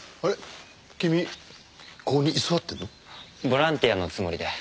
ボランティアのつもりで。